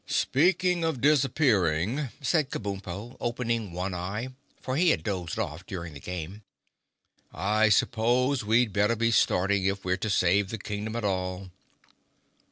"Speaking of disappearing," said Kabumpo, opening one eye, for he had dozed off during the game, "I suppose we'd better be starting if we're to save the Kingdom at all."